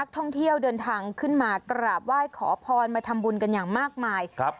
ท่องเที่ยวเดินทางขึ้นมากราบไหว้ขอพรมาทำบุญกันอย่างมากมายครับ